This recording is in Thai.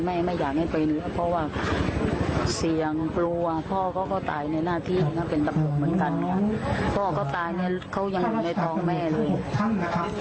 แล้วฝากแผลด้วย๒คนอันนี้คนน้อง